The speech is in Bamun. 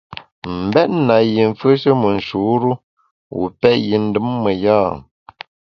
M’bèt na yi mfùeshe me nshur-u, wu pèt yi ndùm me ya ?